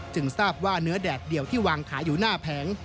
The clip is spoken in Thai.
ทราบว่าเนื้อแดดเดียวที่วางขายอยู่หน้าแผง